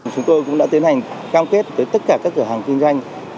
chúng tôi cũng đã tiến hành cam kết với tất cả các cửa hàng kinh doanh